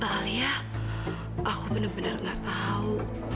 mbak alia aku benar benar nggak tahu